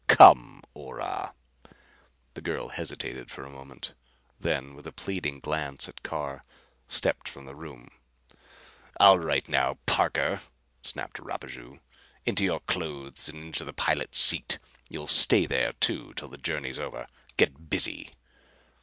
Come, Ora." The girl hesitated a moment, then with a pleading glance at Carr stepped from the room. "All right now, Parker," snapped Rapaju. "Into your clothes and into the pilot's seat. You'll stay there, too, till the journey's over. Get busy!"